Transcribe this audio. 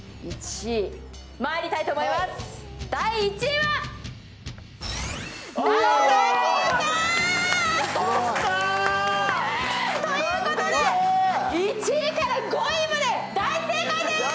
問題は。ということで、１位から５位まで大正解です。